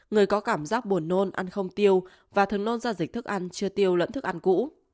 người có cảm giác buồn nôn ăn không tiêu và thường luôn giao dịch thức ăn chưa tiêu lẫn thức ăn cũ